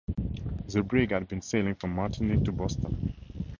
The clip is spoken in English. The brig had been sailing from Martinique to Boston.